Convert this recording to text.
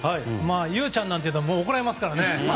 佑ちゃんなんて言うと怒られますからね。